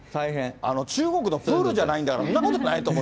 中国のプールじゃないんだから、そんなことないと思う。